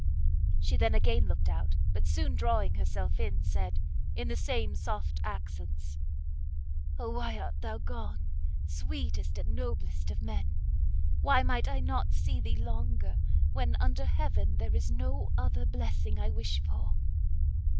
She then again looked out, but soon drawing herself in, said, in the same soft accents, "Oh why art thou gone! sweetest and noblest of men! why might I not see thee longer, when, under heaven, there is no other blessing I wish for!"